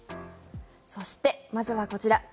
そして、まずはこちら。